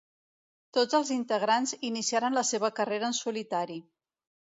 Tots els integrants iniciaren la seva carrera en solitari.